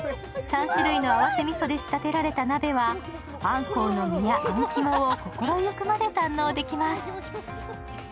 ３種類の合わせみそで仕立てられた鍋は、あんこうの身やあん肝を心ゆくまで堪能できます。